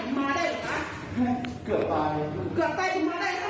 ไม่เหมือนก็ตายกับบ้านอย่างนี้